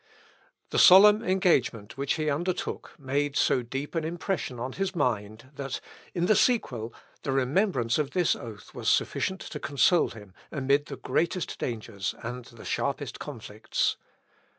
The solemn engagement which he undertook made so deep an impression on his mind, that, in the sequel, the remembrance of this oath was sufficient to console him amid the greatest dangers and the sharpest conflicts.